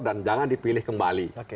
dan jangan dipilih kembali